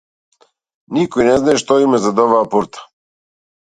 Никој не знае што има зад оваа порта.